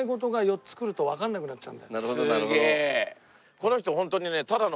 この人ホントにね。